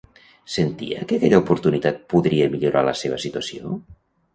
Sentia que aquella oportunitat podria millorar la seva situació?